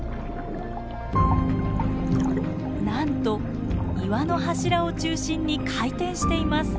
なんと岩の柱を中心に回転しています。